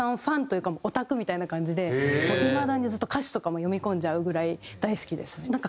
ファンというかオタクみたいな感じでもういまだにずっと歌詞とかも読み込んじゃうぐらい大好きですね。